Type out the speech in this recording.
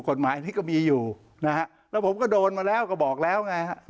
กฎหมายนี้ก็มีอยู่นะฮะแล้วผมก็โดนมาแล้วก็บอกแล้วไงฮะ